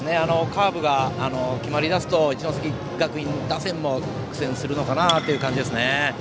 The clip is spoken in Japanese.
カーブが決まりだすと一関学院打線も苦戦するのかなという感じですね。